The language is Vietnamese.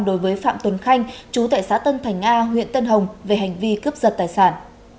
đối với phạm tuấn khanh chú tại xã tân thành a huyện tân hồng về hành vi cướp giật tài sản